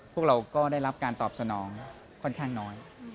พวกเราก็ได้รับการตอบสนองค่อนข้างน้อย